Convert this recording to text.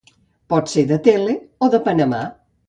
Pot ser de tele o de Panamà.